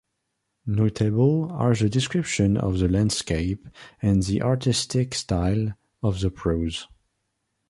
Notable are the description of the landscape and the artistic style of the prose.